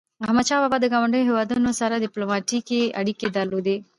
احمدشاه بابا د ګاونډیو هیوادونو سره ډیپلوماټيکي اړيکي درلودی.